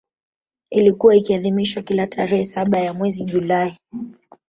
Ilikuwa ikiadhimishwa kila tarehe saba ya mwezi julai